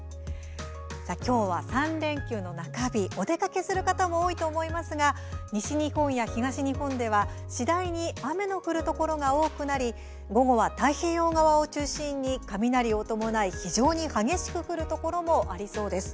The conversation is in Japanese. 今日は３連休の中日お出かけする方も多いと思いますが西日本や東日本では次第に雨の降るところが多くなり午後は太平洋側を中心に雷を伴い非常に激しく降るところもありそうです。